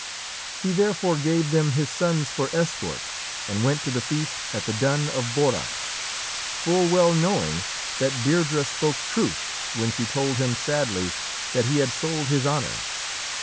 He therefore gave them his sons for escort and went to the feast at the dun of Borrach, full well knowing that Deirdrê spoke truth when she told him sadly that he had sold his honour.